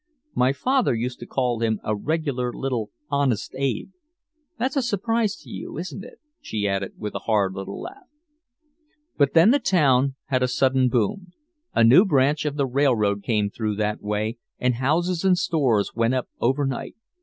My father used to call him a regular little Honest Abe. That's a surprise to you, isn't it," she added with a hard little laugh. "But then the town had a sudden boom. A new branch of the railroad came through that way and houses and stores went up over night.